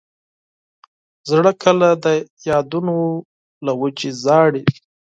زړه کله د یادونو له وجې ژاړي.